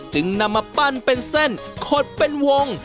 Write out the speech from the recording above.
จึงนำมาปั้นเป็นเส้นขดเป็นวง